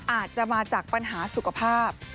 อาจจะมาจากปัญหาสุขภาพ